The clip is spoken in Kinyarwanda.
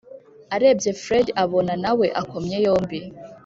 arebye fred abona nawe akomye yombi.